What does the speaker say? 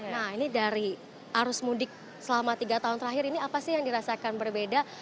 nah ini dari arus mudik selama tiga tahun terakhir ini apa sih yang dirasakan berbeda